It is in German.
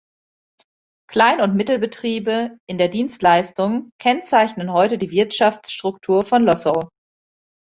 Klein- und Mittelbetriebe in der Dienstleistung kennzeichnen heute die Wirtschaftsstruktur von Lossow.